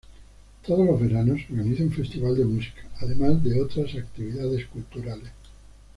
Todos los veranos se organiza un festival de música además de otras actividades culturales.